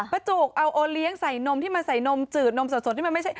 จุกเอาโอเลี้ยงใส่นมที่มาใส่นมจืดนมสดที่มันไม่ใช่